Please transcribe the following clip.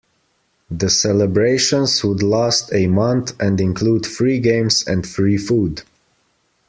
The celebrations would last a month and include free games and free food.